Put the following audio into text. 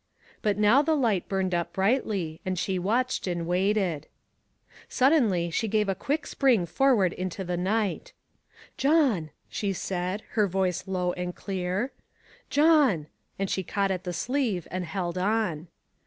But now the light burned up brightly, and she watched and waited. Suddenly she gave a quick spring for ward into the night. " John," she said, her voice low and clear, " John," and she caught at the sleeve, and held on.